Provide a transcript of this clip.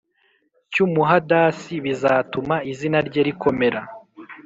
cy umuhadasi Bizatuma izina rye rikomera